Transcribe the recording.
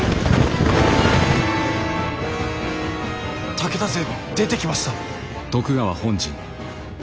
武田勢出てきました。